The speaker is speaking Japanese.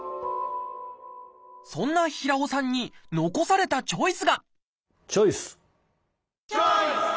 そんな平尾さんに残されたチョイスがチョイス！